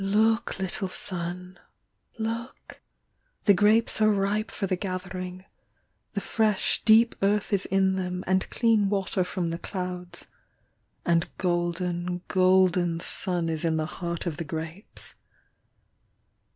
Look, little son, look; The grapes are ripe for the gathering, The fresh, deep earth is in them, And clean water from the clouds. And golden, golden sun is in the heart of the grapes.